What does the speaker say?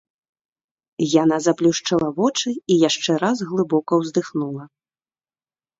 Яна заплюшчыла вочы і яшчэ раз глыбока ўздыхнула.